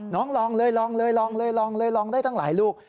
ลองเลยลองเลยลองเลยลองเลยลองได้ตั้งหลายลูก